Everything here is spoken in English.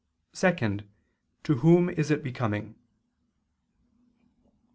(2) To whom is it becoming?